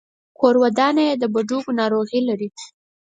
کورودانه يې د بډوګو ناروغي لري.